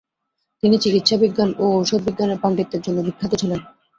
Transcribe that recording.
তিনি চিকিৎসাবিজ্ঞান ও ঔষধবিজ্ঞানে পাণ্ডিত্যের জন্য বিখ্যাত ছিলেন।